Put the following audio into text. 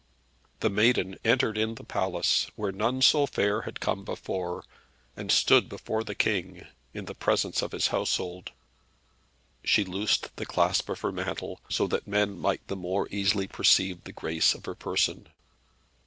The Maiden entered in the palace where none so fair had come before and stood before the King, in the presence of his household. She loosed the clasp of her mantle, so that men might the more easily perceive the grace of her person.